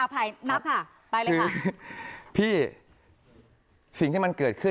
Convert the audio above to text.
สำหรับทีวีเชิญค่ะ